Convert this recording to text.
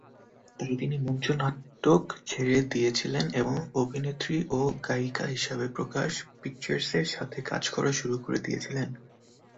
তাই তিনি মঞ্চ নাটক ছেড়ে দিয়েছিলেন এবং অভিনেত্রী ও গায়িকা হিসাবে প্রকাশ পিকচার্সের সাথে কাজ করা শুরু করে দিয়েছিলেন।